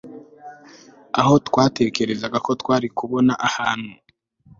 aho twatekerezaga ko twari kubona ahantu